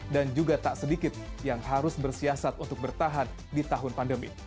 dan juga tak sedikit yang harus bersiasat untuk bertahan di tahun pandemi